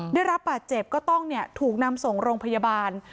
ได้รับบาดเจ็บก็ต้องถูกนำส่งโรงพยาบาล